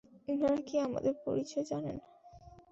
উনারা কি আমাদের পরিচয় জানেন?